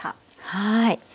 はい。